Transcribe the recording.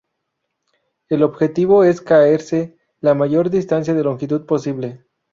El objetivo es caerse la mayor distancia de longitud posible.